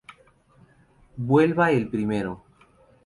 Vuelva el primero!